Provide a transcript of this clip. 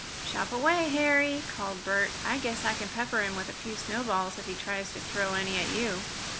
"Chop away, Harry!" called Bert. "I guess I can pepper him with a few snowballs if he tries to throw any at you."